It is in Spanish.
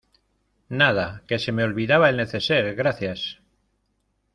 nada, que se me olvidaba el neceser. gracias .